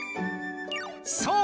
そう！